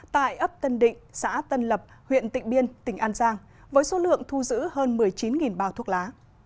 tại ấp tân định xã tân lập huyện tịnh biên tỉnh an giang với số lượng thu giữ hơn một mươi chín bao thuốc lá